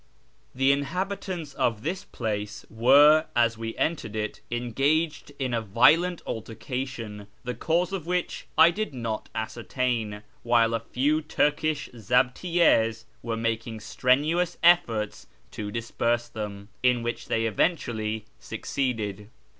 The inhabitants of this place were, as we entered it, engaged in a violent altercation, the cause of which I did not ascertain ; while a few Turkish zahtiyyis were making strenuous efforts to disperse them, in which they eventually succeeded.